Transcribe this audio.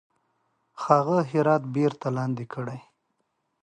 هغه هرات بیرته لاندي کړي.